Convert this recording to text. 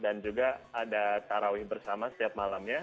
dan juga ada tarawih bersama setiap malamnya